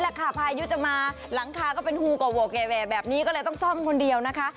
แบบนี้แหละค่ะภายุจะมาหลังคาก็เป็นแบบนี้ก็เลยต้องซ่อมคนเดียวนะคะ